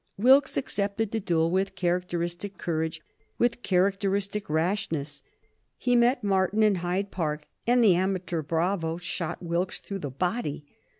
Wilkes accepted the duel with characteristic courage, with characteristic rashness. He met Martin in Hyde Park, and the amateur bravo shot Wilkes through the body.